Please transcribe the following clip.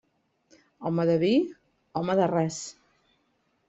Home de vi, home de res.